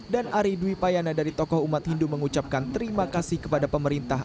ari dwi payana dari tokoh umat hindu mengucapkan terima kasih kepada pemerintah